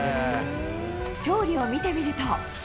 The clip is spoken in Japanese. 調理を見てみると。